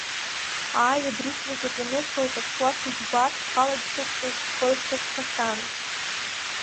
Ааи, абри сылҿатәаны сылҿаԥшуа сыжәбар, схалагьы сықәҵны сцоит ҳәа сҳәахьан.